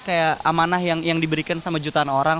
kayak amanah yang diberikan sama jutaan orang